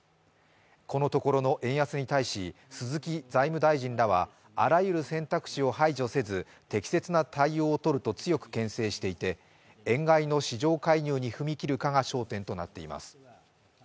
このところの円安に対し鈴木財務大臣らはあらゆる選択肢を排除せず、適切な対応をとると強く牽制していて、円買いの市場介入に踏み切るかが焦点となっています。